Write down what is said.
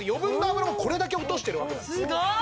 すごい。